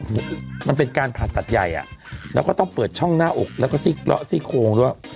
ขึ้นด้วยความกังวลว่าเพราะมันเป็นการผ่าตัดใหญ่อ่ะแล้วก็ต้องเปิดช่องหน้าอกแล้วก็ซี่กระซี่โครงด้วย